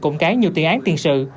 cụng cái nhiều tiền án tiền sự